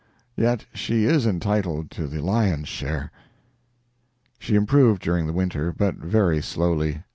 Yet she is entitled to the lion's share." She improved during the winter, but very slowly.